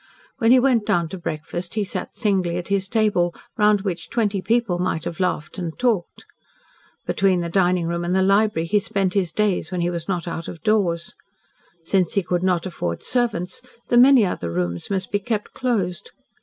When he went down to breakfast he sat singly at his table, round which twenty people might have laughed and talked. Between the dining room and the library he spent his days when he was not out of doors. Since he could not afford servants, the many other rooms must be kept closed.